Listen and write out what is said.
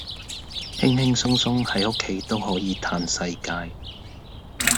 輕輕鬆鬆喺屋企都可以嘆世界